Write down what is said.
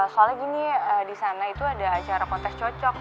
soalnya gini disana itu ada acara kontes cocok